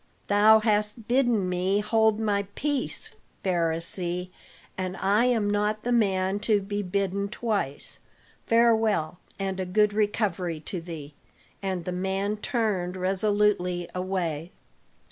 "Thou hast bidden me hold my peace, Pharisee; and I am not the man to be bidden twice. Farewell, and a good recovery to thee." And the man turned resolutely away.